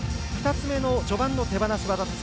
２つ目の序盤の手放し技です。